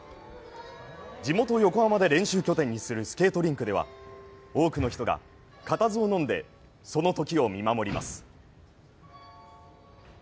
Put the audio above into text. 地元・横浜で練習拠点にするスケートリンクでは多くの人が固唾をのんでそのときを見守ります。